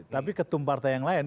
tapi ketum partai yang lain